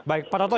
baik pak toto